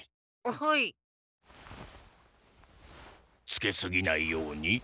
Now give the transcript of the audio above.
つけすぎないように。